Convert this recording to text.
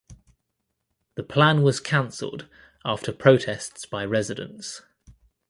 The plan was canceled after protests by residents.